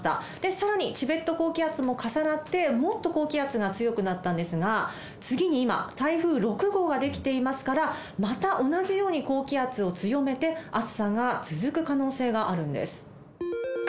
さらにチベット高気圧も重なって、もっと高気圧が強くなったんですが、次に今、台風６号が出来ていますから、また同じように高気圧を強めて、暑さが続く可能性があるんです。